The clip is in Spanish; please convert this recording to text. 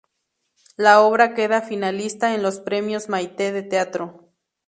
La obra queda finalista en los Premios Mayte de teatro.